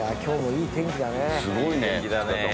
いい天気だね。